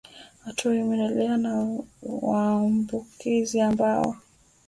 hatua hiyo imeendeleza na wajambuzi wa mambo kuwa italeta changamoto kubwa kwa rais jonathan